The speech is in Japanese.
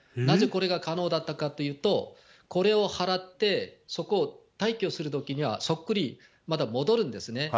なぜこれが可能だったかというと、これを払ってそこを退去するときにはそっくりまた戻るんですね。